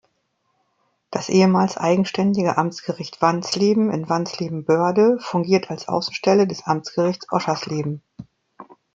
Das ehemals eigenständige Amtsgericht Wanzleben in Wanzleben-Börde fungiert als Außenstelle des Amtsgerichts Oschersleben.